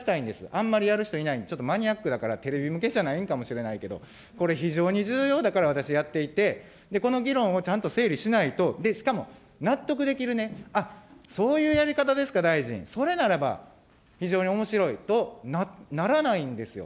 あんまりやる人いないので、ちょっとマニアックだから、テレビ向けじゃないのかもしれないけど、これ非常に重要だから私やっていて、この議論をちゃんと整理しないと、しかも、納得できるね、あ、そういうやり方ですか、大臣、それならば非常におもしろいとならないんですよ。